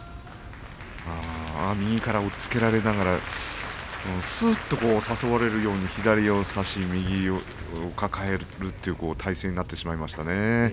右から押っつけられながらすっと誘われるように左を差し、右を抱える体勢になってしまいましたね。